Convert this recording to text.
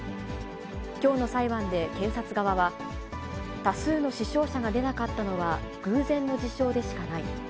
きょうの裁判で検察側は、多数の死傷者が出なかったのは偶然の事象でしかない。